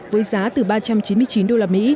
với giá từ ba trăm chín mươi chín usd